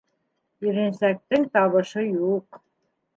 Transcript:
Иренсәктең табышы юҡ.